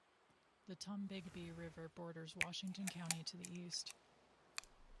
The Tombigbee River borders Washington County to the east.